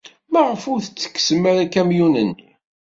Maɣef ur ttekksen ara akamyun-nni?